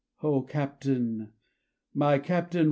O Captain! my Captain!